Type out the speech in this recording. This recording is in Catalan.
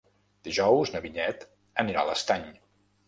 Dijous na Vinyet anirà a l'Estany.